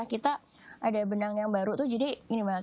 kita ada benang yang baru tuh jadi ini banget